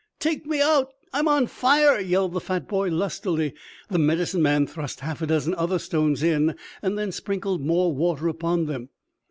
"Take me out! I'm on fire!" yelled the fat boy lustily. The Medicine Man thrust half a dozen other hot stones in, then sprinkled more water upon them.